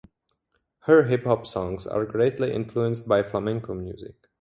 Her hip-hop songs are greatly influenced by flamenco music.